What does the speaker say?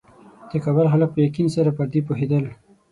د کابل خلک په یقین سره پر دې پوهېدل.